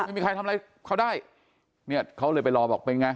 ไม่มีใครทำอะไรเขาได้เนี่ยเขาเลยไปรอบอกเป็นไง